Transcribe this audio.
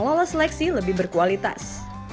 meloloh seleksi lebih berkualitas